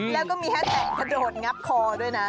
แล้วก็มีแฮชแท็กกระโดดงับคอด้วยนะ